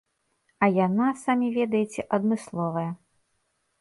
А яна, самі ведаеце, адмысловая.